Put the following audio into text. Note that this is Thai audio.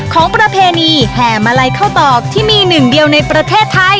ประเพณีแห่มาลัยข้าวตอกที่มีหนึ่งเดียวในประเทศไทย